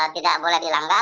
tidak boleh di ms kan